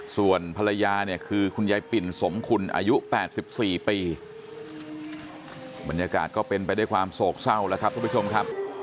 ส่วนภรรยาเนี่ยคือคุณยายปิ่นสมคุณอายุ๘๔ปีบรรยากาศก็เป็นไปด้วยความโศกเศร้าแล้วครับทุกผู้ชมครับ